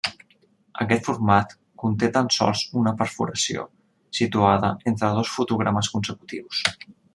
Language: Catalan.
Aquest format conté tan sols una perforació, situada entre dos fotogrames consecutius.